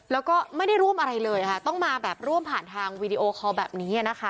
แล้วก็ไม่ได้ร่วมอะไรเลยค่ะต้องมาแบบร่วมผ่านทางวีดีโอคอลแบบนี้นะคะ